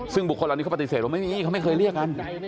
ซึ่งบุคคลเหล่านี้เขาปฏิเสธว่าไม่มีเขาไม่เคยเรียกกัน